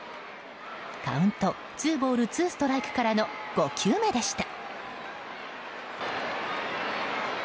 カウントツーボールツーストライクからの５球目でした。